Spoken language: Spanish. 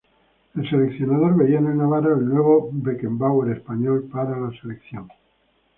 El seleccionador veía en el navarro al "nuevo Beckenbauer español" para la selección.